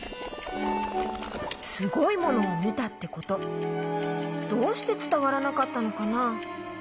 すごいものをみたってことどうしてつたわらなかったのかな？